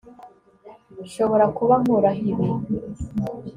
Nshobora kuba nkuraho ibi